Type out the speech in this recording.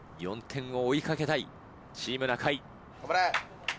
４点を追い掛けたいチーム中居。